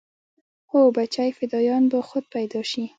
هو بچى فدايان به خود پيدا شي.